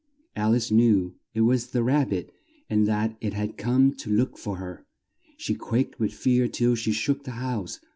Al ice knew it was the Rab bit and that it had come to look for her. She quaked with fear till she shook the house.